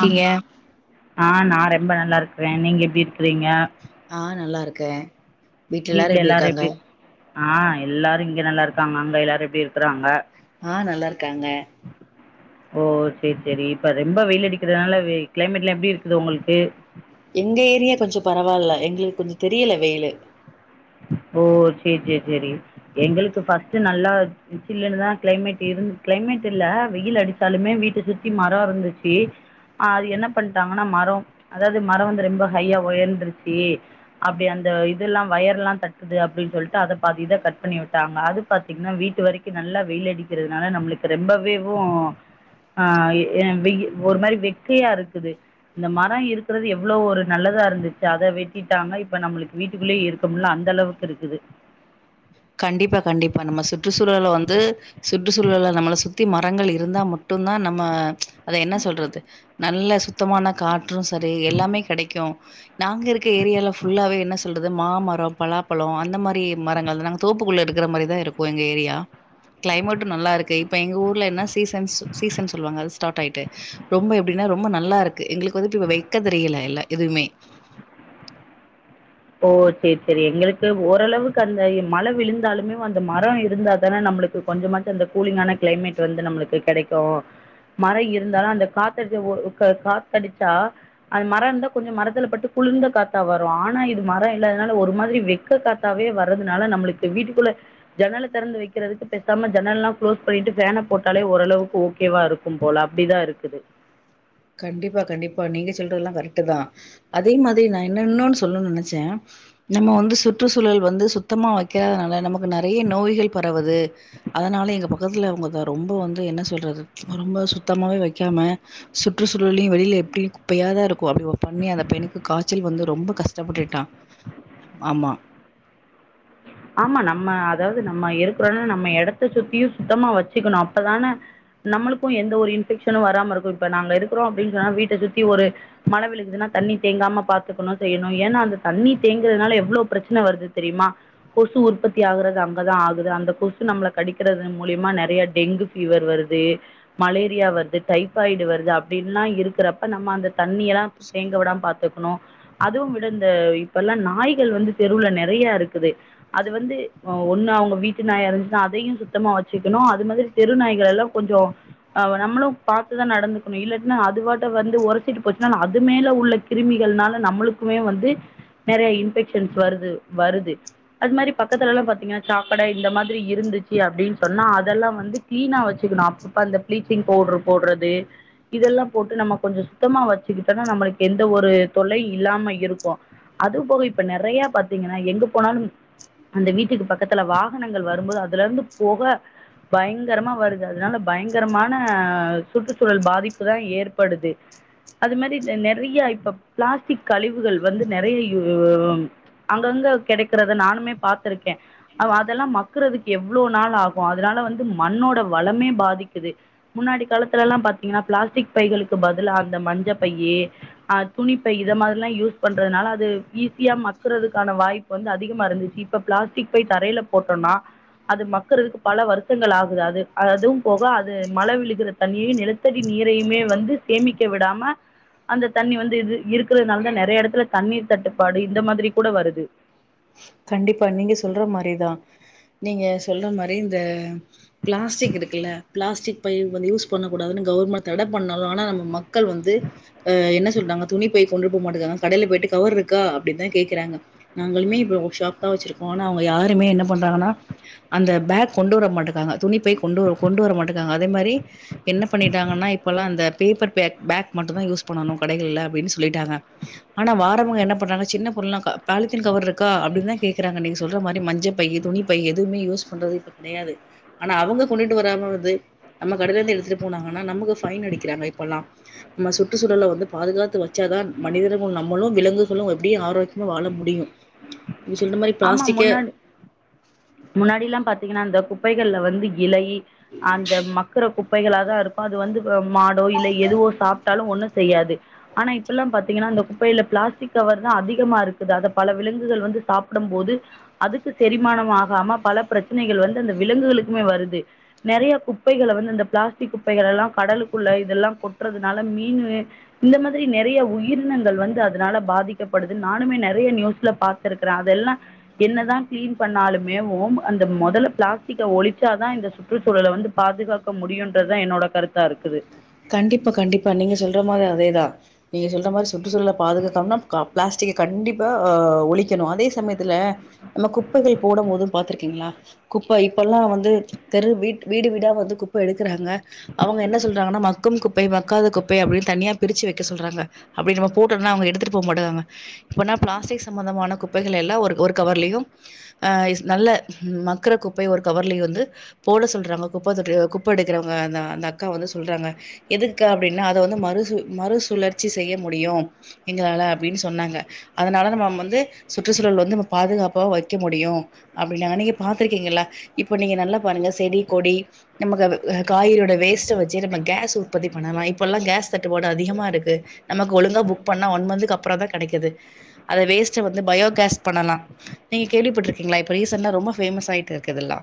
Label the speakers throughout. Speaker 1: ஆ ஆ நா ரெம்ப நல்லா இருக்றே நீங்க எப்டி இருக்குறீங்க
Speaker 2: ஆ நல்லா இருக்கே
Speaker 1: வீட்ல எல்லாரு எப்டி ஆ எல்லாரு இங்க நல்லா இருக்காங்க அங்க எல்லாரு எப்டி இருக்குறாங்க
Speaker 2: ஆ நல்லாருக்காங்க
Speaker 1: ஓ சேரி சேரி இப்ப ரொம்ப வெயிலடிக்கிறதுனால கிளைமேட்லா எப்டிருக்குது உங்களுக்கு
Speaker 2: எங்க ஏரியா கொஞ்சோ பரவாயில்ல எங்களுக்கு கொஞ்சோ தெரியல வெயிலு
Speaker 1: ஓ செர் செர் செரி எங்களுக்கு ஃபர்ஸ்ட்டு நல்லா சில்லன்னுதா கிளைமேட் இரு கிளைமேட் இல்ல வெயில் அடிச்சாலுமே வீட்டை சுத்தி மரோ இருந்துச்சு ஆ அது என்ன பண்ணிட்டாங்கன்னா மரோ அதாவது மரோ வந்து ரொம்ப ஹையா உயர்ந்துருச்சு அப்டி அந்த இதுல்லா வயர்ல்லா தட்டுது அப்டின்னு சொல்ட்டு அத பாதியித கட் பண்ணி விட்டாங்க அத பாத்தீங்கன்னா வீட்டு வரைக்கு நல்லா வெயில் அடிக்கிறதுனால நம்மளுக் ரொம்பவேவு ஆ எ வெயி ஒரு மாரி வெக்கையா இருக்குது இந்த மரம் இருக்கிறது எவ்வளோ ஒரு நல்லதா இருந்துச்சு அத வெட்டிட்டாங்க இப்ப நம்மளுக்கு வீட்டுக்குள்ளயே இருக்க முடியல அந் அந்த அளவுக்கு இருக்குது
Speaker 2: கண்டிப்பா கண்டிப்பா நம்ம சுற்றுச்சூழல வந்து சுற்றுச்சூழல்கள் நம்மள சுத்தி மரங்கள் இருந்தா மட்டும்தா நம்ம அத என்ன சொல்றது நல்ல சுத்தமான கா ட்டுரு சரி எல்லாமே கெடைக்கு நாங்க இருக்க ஏரியால ஃபுல்லாவே என்ன சொல்றது மாமரோ பலாப்பழோ அந்த மாரி மரங்கள் தா நாங்க தோப்புக்குள்ள இருக்கிற மாரிதா இருக்கு எங்க ஏரியா கிளைமேட்டும் நல்லா இருக்கு இப்ப எங்க ஊர்ல என்ன சீசன்ஸ் சீசன் சொல்லுவாங்க அது ஸ்டார்ட் ஆயிட்டு ரொம்ப எப்டின்னா ரொம்ப நல்லா இருக்கு எங்களுக்கு வந்துட்டு இப்ப வெக்கத் தெரியல எல்லா எதுவுமே
Speaker 1: ஓ செரி செரி எங்களுக்கு ஓரளவுக்கு அந்த மழை விழுந்தாலுமே அந்த மரோ இருந்தா தானே நம்மளுக்கு கொஞ்சமாச்சு அந்த கூலிங்கான கிளைமேட் வந்து நம்ளுக்கு கெடைக்கு மரோ இருந்தாலு அந்த காத்தடிச்ச ஒ க காத்தடிச்சா அது மரம் இருந்தா கொஞ்சோ மரத்துல பட்டு குளிர்ந்த காத்தா வரு ஆனா இது மரோ இல்லாதனால ஒரு மாதிரி வெக்க காத்தாவே வர்றதுனால நம்மளுக்கு வீட்டுக்குள்ள ஜன்னல திறந்து வைக்கிறதுக்கு பேசாம ஜன்னல்லல்லா குளோஸ் பண்ணிட்டு ஃபேன போட்டாலே ஓரளவு ஓகேவா இருக்கு க்கும் போல அப்டிதா இருக்குது
Speaker 2: கண்டிப்பா கண்டிப்பா நீங்க சொல்றதெல்லா கரெக்ட்தா அதே மாதிரி நா என்ன இன்னோன்னு சொல்லனுனு நெனைச்சே நம்ம வந்து சுற்றுச்சூழல் வந்து சுத்தமா வைக்காததுனால நமக்கு நிறைய நோய்கள் பரவுது அதனால எங்க பக்கத்துல அவுங்கக்கா ரொம்ப வந்து என்ன சொல்றது ரொம்ப சுத்தமாவே வெய்க்காம சுற்றுச்சூழலயு வெளியில எப்பயு குப்பையாதா இருக்கு அப்டி ஒரு பண்ணி அந்த பையனுக்கு காய்ச்சல் வந்து ரொம்ப கஷ்டப்பட்டுட்டா ஆமா
Speaker 1: ஆமா நம்ம அதாவ்து நம்ம இருக்ற நம்ம எடத்த சுத்தியு சுத்தமா வச்சுக்கணு அப்பதான நம்மளுக்கு எந்த ஒரு இன்ஃபெக்ஷனு வராம இருக்கு இப்ப நாங்க இருக்கிறோ அப்டின்னு சொன்னா வீட்டை சுத்தி ஒரு மழை விழுகுதுன்னா தண்ணி தேங்காம பாத்துக்கணு செய்யணு ஏன்னா அந்த தண்ணி தேங்குறதுனால எவ்ளோ பிரச்சன வருது தெரியுமா கொசு உற்பத்தி ஆகுறது அங்கதா ஆகுது அந்த கொசு நம்ள கடிக்கிறதன் மூலியமா நெறைய டெங்கு ஃபீவர் வருது மலேரியா வருது டைபாய்டு வருது அப்டின்ல்லா இருக்கிறப்ப நம்ம அந்த தண்ணிய எல்லா தேங்க விடாம பாத்துக்கணு அதுவும் விடு இந்த இப்பெல்லா நாய்கள் வந்து தெருவ்ல நெறைய இருக்குது அது வந்து ஒண்ணு அவங்க வீட்டு நாயா இருந்துச்சுனா அதையு சுத்தமா வச்சுக்கணு அது மாதிரி தெரு நாய்களல்லா கொஞ்சோ அ நம்மளு பாத்துதா நடந்துக்கணு இல்லன்னா அதுபாட்ட வந்து ஒரசிட்டு போச்சுன்னா அது மேல உள்ள கிருமிகள்னால நம்மளுக்குமே வந்து நெறைய இன்ஃபெக்ஷன்ஸ் வருது வருது அது மாரி பக்கத்துலலா பாத்தீங்கன்னா சாக்கடை இந்த மாரி இருந்துச்சு அப்டின்னு சொன்னா அதெல்லா வந்து கிளீனா வச்சுக்கணு அப்பப்ப இந்த பிளீச்சிங் பவுடர் போட்றது இதெல்லா போட்டு நம்ம கொஞ்ச சுத்தமா வெச்சுக்கிட்டனா நம்மளுக்கு எந்த ஒரு தொல்லயு இல்லாம இருக்கு அது போக இப்ப நறைய பாத்தீங்கன்னா எங்க போனாலும் அந்த வீட்டுக்கு பக்கத்துல வாகனங்கள் வரும்போது அதுல இருந்து போக பயங்கரமா வருது அதனால பயங்கரமான சுற்றுச்சூழல் பாதிப்பு தா ஏற்படுது அது மாரி நெறைய இப்ப பிளாஸ்டிக் கழிவுகள் வந்து நெறைய அங்கங்க கெடைக்குறத நானுமே பாத்துருக்கே அதெல்லா மக்கறதுக்கு எவ்ளோ நாள் ஆகு அதனால வந்து மண்ணோட வளமே பாதிக்குது முன்னாடி காலத்துல எல்லா பாத்தீங்கன்னா பிளாஸ்டிக் பைகளுக்கு பதிலா அந்த மஞ்ச பையி ஆ துணிப்பை இத மாதிரில்லா யூஸ் பண்றதுனால அது ஈஸியா மக்கறதுக்கான வாய்ப்பு வந்து அதிகமா இருந் இப்ப பிளாஸ்டிக் பை தரையில போட்டோனா அது மக்கறக்கு பல வருஷங்கள் ஆகுது அது அதுவும் போக அது மழ விழுகற தண்ணி நிலத்தடி நீரையுமே வந்து சேமிக்க விடாம அந்த தண்ணி வந்து இது இருக்கிறதுனால தா நெறைய இடத்துல தண்ணீர் தட்டுப்பாடு இந்த மாதிரி கூட வருது
Speaker 2: கண்டிப்பா நீங்க சொல்ற மாரிதா நீங்க சொல்ற மாரி இந்த பிளாஸ்டிக் இருக்குல்ல பிளாஸ்டிக் பை வந்து யூஸ் பண்ணக்கூடாதுன் கவுர்மெண்ட் தட பண்ணாலு ஆனா நம்ம மக்கள் வந்து ஆ என்ன சொல்றாங்க துணி பை கொண்டுரு போக மாட்டேங்குறாங்க கடையில போயிட்டு கவர் இருக்க அப்டின் தா கேக்குறாங்க நாங்களுமே இப்ப ஒர்க் ஷாப் தா வச்சிருக்கோ ஆனா அவுங்க யாருமே என்ன பண்றாங்கன்னா அந்த பேக் கொண்டு வர மாட்டேக்காங்க துணி பை கொண்டு வர கொண்டு வர மாட்டேக்காங்க அதே மாரி என்ன பண்ணிட்டாங்கன்னா இப்பல்லா அந்த பேப்பர் பேக் பேக் மட்டு தா யூஸ் பண்ணணு கடைகள்ல அப்டின் சொல்லிட்டாங்க ஆனா வாரவ்ங்க என்னப்பண்றாங்க சின்ன பொருள்னா க பாலித்தின் கவர்ருக்கா அப்டின்தா கேக்குறாங்க நீங்க சொல்ற மாரி மஞ்சப்பையு துணிப்பை எதுமே யூஸ் பண்றது இப்ப கெடையாது அனா அவுங்க கொண்டுட்டுவராம வந்து நம்ம கடைலேந்து எடுத்துட்டு போனாங்கன்னா நம்மக்கு ஃபைன்னு அடிக்கிறாங்க இப்பல்லா ம்ம சுற்றுச்சூழல்ல வந்து பாதுகாத்து வச்சாதா மனிதர்கள் நம்மளு விலங்குகளு எப்டி ஆரோக்கியமா வாழ முடியு நீ சொல்ர மாரி
Speaker 1: ஆம்மா முன்னாடி முன்னாடில்லா பாத்தீங்கன்னா இந்த குப்பைகள்ல வந்து இலை அந்த மக்குற குப்பைகளாதா இருக்கு அது வந்து அ மாடோ இல்ல எதுவோ சாப் டாலு ஒண்ணுசெய்யாது ஆனா இப்பல்லா பாத்தீங்கனா அந்த குப்பைல பிளாஸ்டிக் கவர்தா அதிகமாருக்குது அத பல விலங்குகள் வந்து சாப் டும்போது அதுக்கு செரிமானம் ஆகாம பல பிரச்சனைகள் வந்துஅந்த விலங்குகளுக்குமே வருது நெறைய குப்பைகள வந்து இந்த பிளாஸ்டிக் குப்பைகலெல்லா கடலுக்குள்ள இதெல்லா கொட்டுறதுனால மீனு இந்த மாதிரி நெறைய உயிரினங்கள் வந்து அதுனால பாதிக்கப்படுது நானுமே நெறைய நியூஸ்ல பாத்துருக்குற இதெல்லா என்னதா கிளீன் பண்ணாலுமேவும் அந்த மொதல்ல பிளாஸ்டிக்க ஒலிச்சாதா இந்த சுத் சுற்றுச்சூழல வந்து பாதுகாக்க முடியுன்றதா என்னோட கருத்தா இருக்குது
Speaker 2: கண்டிப்பா கண்டிப்பா நீங்க சொல்றமாரி அதேதா நீங்க சொல்றமாரி சுற்றுசூழல பாதுகாக்கண்னா க பிளாஸ்டிக்க கண்டிப்பா ஒழிக்கணு அதே சமயத்துல நம்ம குப்பைகள் போடும்போதும் பாத்துருக்கீங்ளா குப்ப இப்பல்லா வந்து தெரு வீட் வீடுவீடா வந்து குப்ப எடுக்குறாங்க அவங்க என்ன சொல்றாங்கன்னா ம க்கும் குப்பை மக்காத குப்பை அப்டின் தனியா பிரிச்சு வெக்க சொல்றாங்க அப்பிடி நம்ம போட்டோன்னா அவுங்க எடுத்துட்டு போக மாட்டெக்குறாங்க இப்பன்னா பிளாஸ்டிக் சம்பந்தமான குப்பைகள் எல்லா ஒரு ஒரு கவர்லியும் அ நல்ல மக்குரகுப்பை ஒருகவர்லியு வந்து போட சொல்றாங்க குப்ப தொட்டி குப்ப எடுக்குறவங்க அந்த அந்த அக்கா வந்து சொல்றாங்க எதுக்கா அப்டின்னா அத வந்து மறுசு மறுசுழற்சி செய்ய முடியு எங்களால அப்டின் சொன்னாங்க அதுனால நம்ம மந்து சுற்றுசூழல் வந்து நம்ம பாதுகாப்பா வெக்க முடியு அப்டின்னாங்க நீங்க பாத்துருக்கீங்கள்ளா இப்ப நீங்க நல்லா பாருங்க செடி கொடி நம்மக்கது காய்கறியோட வேஸ்ட்ட வெச்சு நம்ம கேஸ்ஸு போதி பண்ணலா இப்பொல்லா கேஸ் தட்டுப்பாடு அதிகமா இருக்கு நம்மக் ஒழுங்கா புக் பண்ணா ஒன் மந்துக்கு அப்பறதா கெடைக்குது அத வேஸ்ட் வந்து பயோகேஸ் பண்ணலா நீங்க கேள்விப்பட்ருக்கீங்ளா இப்ப ரீசண்ட ரொம்ப ஃபேமஸாயிட் இர்க்குதுல்லா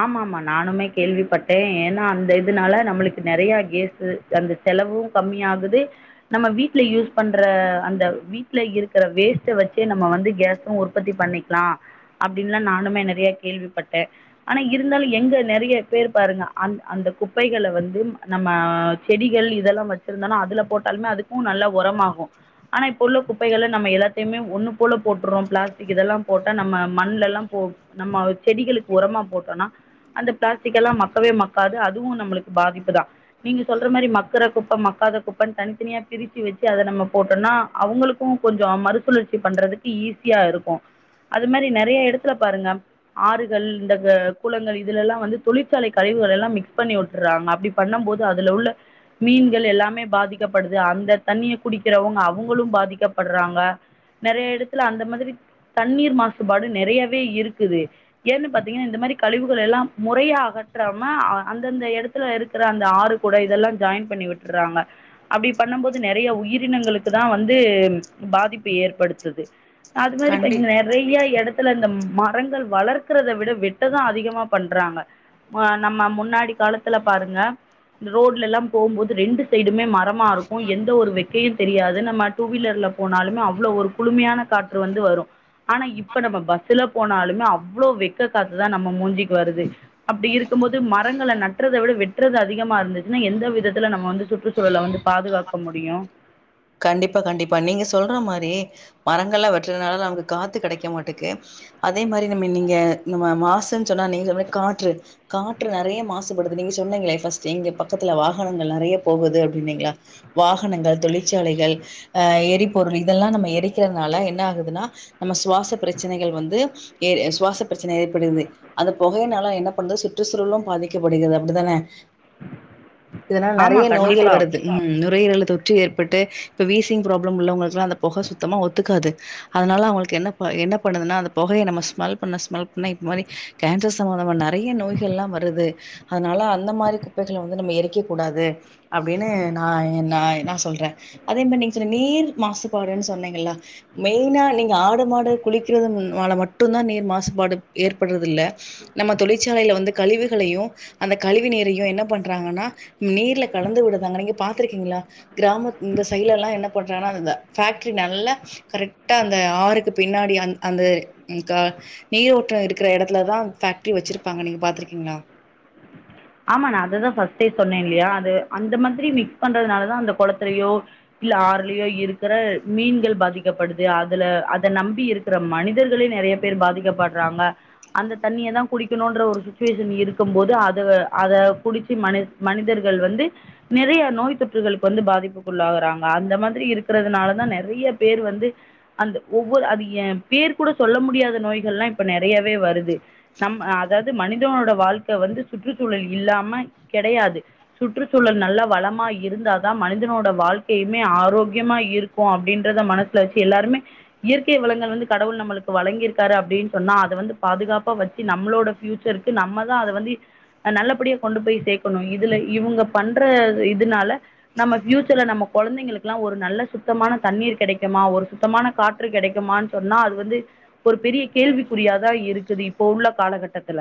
Speaker 1: ஆம்மா ஆம்மா நானுமே கேள்விப்பட்டே ஏன்னா அந்த இததுனால நம்மளுக்கு நெறைய கேசு அந்த செலவூ கம்மியாகுது நம்ம வீட்ல யூஸ் பண்ற அந்த வீட்ல இருக்கற வேஸ்ட்ட வச்சே நம்ம வந்து கேசும் உற்பத்தி பண்ணிக் லா அப்டின்லா நானுமே நெறைய கேள்விப்பட்டே அன இருந்தாலு எங்க நெறைய பேரு பாருங்க அந் அந்த குப்பைகள வந்து நம்ம செடிகள் இதல்லா வச்சிருந்தனா அதுல போட்டாலுமே அதுக்கு நல்லா ஒரம்ஆகு ஆனா இப்போ உள்ள குப்பைகள நம்ம எல்லாத்தையுமே ஒண்ணுபோல போட்டுற்றோம் பிளாஸ்டிக் இதெல்லா போட்டா நம்ம மண்லஎல்லா போ நம்ம செடிகளுக்கு ஒரமா போட் டோன்ன அந்த பிளாஸ்டிக் எல்லா மக்கவே மக்காது அதுவு நம்மளுக் பாதிப்புதா நீங்க சொல்ற மரி மக்குறகுப்ப மக்காதகுப்பன் தனித்தெனியா பிரிச்சு வெச்சு அத நம்ம போட்டன்னா அவுங்களுக் கூ கொஞ்சொ மறுசுழற்சி பண்றதுக்கு ஈஸியாருக்கு அது மரி நெறைய எடத்துல பாருங்க ஆறுகள் ந்த குளங்கள் இதுலஎல்லா வந்து தொழிற்சாலை கழிவுகள் எல்லா மிக்ஸ் பண்ணிவுட்டுறாங்க அப்டி பண்ணம்போது அதுல உள்ள மீன்கள் எல்லாமே பாதிக்கப்படுது அந்த தண்ணிய குடிக்கறவுங்க அவுங்களு பாதிக்கப்பட்றாங்க நெறைய எடத்துல அந்த மாதிரி தண்ணீர் மாசுபாடு நெறையவே இருக்குது ஏன்னு பாத்தீங்கன்னா இந்த மாரி கழிவுகள் எல்லாம் முறைய அகற்றாம அந்தந்த எடத்துல இருக்கிற அந்த ஆறு கூட இதெல்லா ஜாயின் பண்ணிவிட் டறாங்க அப்டி பண்ணும் போது நெறைய உயிரினங்களுக்கு தா வந்து பாதிப்பு ஏற்படுத்துது அது மாறி இப்ப
Speaker 2: கண்டி
Speaker 1: நெறைய எடத்துல இந்த மரங்கள் வளர்க்கறதை விட வெட் ட்டதா அதிகமா பண்றாங்க நம்ம முன்னாடி காலத்துல பாருங்க ரோட்ல எல்லா போம்போது ரெண்டு சைடுமே மரமா இருக்கு எந்த ஒரு வெக்கையு தெரியாது நம்ம டூவீலர்ல போனாலுமே அவ்ளோ ஒரு குளுமையான காற்று வந்து வரு ஆனா இப்ப நம்ம பஸ்ல போனாலுமே அவ்ளோ வெக்க காத்துதா நம்ம மூஞ்சிக்கு வருது அப்டி இருக்கும் போது மரங்கள நட்றத விட வெட்றது அதிகமா இருந்துச்சுன்னா எந்த விதத்துல நம்ம வந்து சுற்றுச்சூழல வந்து பாதுகாக்க முடியு
Speaker 2: கண்டிப்பா கண்டிப்பா நீங்க சொல்ற மாரி மரங்கள்ல வெட்றனால நமக்கு காத்து கெடைக்க மாட்டேங்கு அதே மாரி நம்ம நீங்க நம்ம மாசுன்னு சொன்னா நீங்க சொன்ன மாரி காற்று காற்று நெறைய மாசுபடுது நீங்க சொன்னீங்களே ஃபஸ்ட் இங்க பக்கத்துல வாகனங்கள் நெறைய போகுது அப்டின்னீங்களே வாகனங்கள் தொழிற்சாலைகள் ஆ எரிபொருள் இதெல்லா நம்ம எரிக்கிறதுனால என்ன ஆகுதுன்னா நம்ம சுவாச பிரச்சனைகள் வந்து ஏ சுவாச பிரச்சனை ஏற்படுது அந்த புகையினால என்ன பண்றது சுற்றுச்சூழலு பாதிக்கப்படுகிறது அப்டிதானே இதனால
Speaker 1: ஆமா
Speaker 2: நெறைய நோய்கள்
Speaker 1: கண்டிப்பா.
Speaker 2: வருது ம் நுரையீரல்ல தொற்று பட்டு இப்ப வீசிங் புராப்ளம் உள்ளவங்களுக்கெல்லா அந்த பொக சுத்தமா ஒத்துக்காது அதனால அவங்களுக்கு என்ன ப என்ன பண்ணுதுன்னா அது பொகைய நம்ம ஸ்மெல் பண்ண ஸ்மெல் பண்ண இது மாறி கேன்சர் சம்பந்தமா நெறைய நோய்கல்லா வருது அதனால அந்த மாறி குப்பைகள வந்து நம்ம எரிக்க கூடாது அப்டின்னு நா நா சொல்றே அதே மேறி நீங்க சொன்ன நீர் மாசுபாடுன்னு சொன்னீங்கள மெயினா நீங்க ஆடு மாடு குளிக்கிறதுனால மட்டு தா நீர் மாசுபாடு ஏற்பட்றது இல்ல நம்ம தொழிற்சாலையில வந்து கழிவுகளையு அந்த கழிவு நீரையு என்ன பண்றாங்கன்னா நீர்ல கலந்து விடுதாங்க நீங்க பாத்துருக்கீங்களா கிராமத் இந்த சைட்ல எல்லா என்ன பண்றாங்கன்னா அந்த பேக்ட்ரி நல்லா கரெக்டா அந்த ஆறுக்கு பின்னாடி அந் அந்த கா நீரோற்றோ இருக்கிற எடத்துலதா பேக்டரி வெச்சிருப்பாங்க நீங்க பாத்துருக்கீங்களா
Speaker 1: ஆமா நா அததா ஃபஸ்ட்டே சொன்னே இல்லியா அது அந்த மாதிரி மிக்ஸ் பண்றதுனாலதா அந்த கொளத்துலயோ இல்ல ஆற்லயோ இருக்கிற மீன்கள் பாதிக்கப்படுது அதுல அத நம்பி இருக் க்கிறே மனிதர்களே நெறைய பேர் பாதிக்கப்பட்றாங்க அந்த தண்ணிய தா குடிக்கணுன்ற ஒரு சுச்சுவேஷன் இருக்கும் போது அத அத குடிச்சி மனி மனிதர்கள் வந்து நெறைய நோய் தொற்றுகளுக்கு வந்து பாதிப்புக்குள்ளாகுறாங்க அந்த மாதிரி இருக்கிறதுனாலதா நெறைய பேர் வந்து அந்த ஒவ்வொரு அது பேர் கூட சொல்ல முடியாத நோய்கல்லா இப்ப நெறையாவே வருது நம் அதாவது மனிதனோட வாழ்க்க வந்து சுற்றுச்சூழல் இல்லாம கெடையாது சுற்றுச்சூழல் நல்ல வளமா இருந்தாதா மனிதனோட வாழ்க்கையுமே ஆரோக்கியமா இரு கு அப்டின்றத மனசுல வெச்சு எல்லாருமே இயற்கை வளங்கள் வந்து கடவுள் நம்மளுக்கு வழங்கியிருக்காரு அப்டின்னு சொன்னா அத வந்து பாதுகாப்பா வெச் சு நம்மளோட பியூச்சர்க்கு நம்ம தா அத வந்து நல்லபடியா கொண்டு போய் சேக்கணு இதுல இவங்க பண்ற இதுனால நம்ம பியூச்சர்ல நம்ம கொழந்தைங்களுக்கெல்லா ஒரு நல்ல சுத்தமான தண்ணீர் கெடைக்குமா ஒரு சுத்தமான காற்று கெடைக்குமா சொன்னா அது வந்து ஒரு பெரிய கேள்விக்குறியாதா இருக்குது இப்போ உள்ள காலகட்டத்துல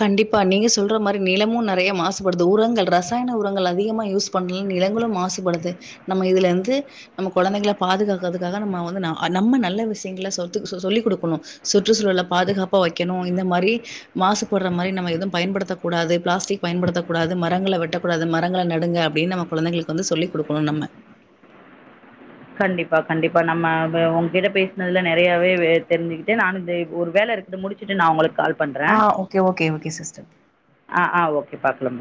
Speaker 2: கண்டிப்பா நீங்க சொல்ற மாரி நிலமும் நறைய மாசுபடுது உரங்கள் ரசாயன உரங்கள் அதிகமா யூஸ் பண்ல நிலங்களும் மாசுபடுது நம்ம இதுல இருந்து நம்ம கொழந்தைகள பாதுகாக்கறதுக்காக நம்ம வந்து நம்ம நல்ல விஷயங்கல சொத் சொல்லிக் கொடுக்கணும் சுற்றுச்சூழல பாதுகாப்பா வெக்கணு இந்த மாரி மாசு போடுற மாரி நம்ம எதும் பயபடுத்தகூடாது பிளாஸ்டிக் பயன்படுத்தக் கூடாது மரங்கள வெட்டக்கூடாது மரங்கள நடுங்க அப்டின்னு நம கொழந்தைங்களுக்கு வந்து சொல்லி கொடுக்கணு நம்ம
Speaker 1: கண்டிப்பா கண்டிப்பா நம்ம உங்ககிட்ட பேசினதுல நெறையாவே தெரிஞ்சுக்கிட்டேன் நானும் இ ஒரு வேல இருக்கு அது முடிச்சுட்டு நான் உங்களுக்கு கால்
Speaker 2: ஆ
Speaker 1: பண்ணுறேன்
Speaker 2: ஓகே ஓகே ஓகே சிஸ்டர்
Speaker 1: ஆ ஆ ஓகே பாக்கலாம்